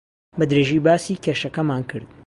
بەدرێژی باسی کێشەکەمان کرد.